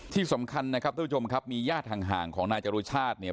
ที่สำคัญนะครับทุกผู้ชมครับมีญาติห่างของนายจรุชาติเนี่ย